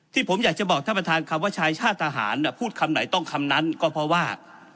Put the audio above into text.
ที่ผมอยากจะบอกท่านประธานคำว่าชายชาติทหารพูดคำไหนต้องคำนั้นก็เพราะว่า